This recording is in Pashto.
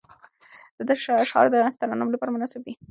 د ده اشعار د مست ترنم لپاره مناسب دي.